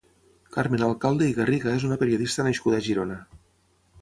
Carmen Alcalde i Garriga és una periodista nascuda a Girona.